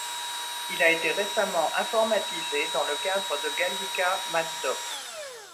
Il a été récemment informatisé dans le cadre de Gallica-MathDoc.